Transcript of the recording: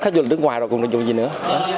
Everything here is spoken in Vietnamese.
khá như là nước ngoài rồi còn có gì nữa